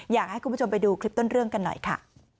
อยากให้คุณผู้ชมไปดูคลิปต้นเรื่องกันหน่อยค่ะ